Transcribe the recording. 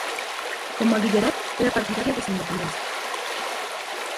Como liberal, era partidario de su independencia.